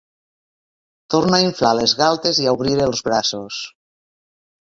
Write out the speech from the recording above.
Torna a inflar les galtes i a obrir els braços.